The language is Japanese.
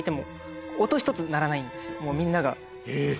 みんなが。